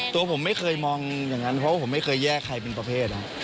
ตัวผมไม่เคยมองอย่างนั้นเพราะว่าผมไม่เคยแยกใครเป็นประเภท